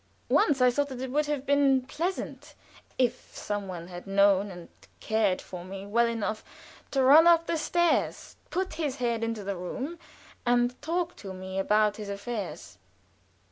Once I thought that it would have been pleasant if some one had known and cared for me well enough to run up the stairs, put his head into the room, and talk to me about his affairs.